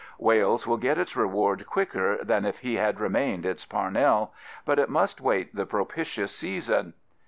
Wales will get its reward quicker than if he had remained its Parnell; but it must await the propitious season.